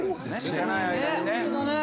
知らない間にね。